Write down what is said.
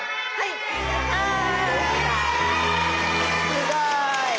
すごい。